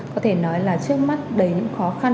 có thể nói là trước mắt đầy những khó khăn